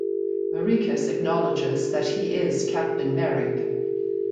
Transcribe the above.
Merikus acknowledges that he is Captain Merik.